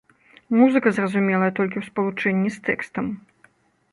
Музыка зразумелая толькі ў спалучэнні з тэкстам.